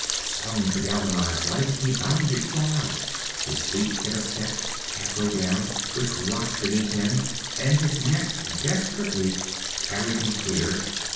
Stung to galvanized life, he bounded far out; his feet hit a step, halfway down, which rocked beneath him, and his next desperate leap carried him clear.